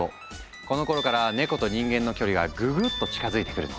このころからネコと人間の距離がぐぐっと近づいてくるの。